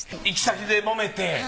行き先でもめて。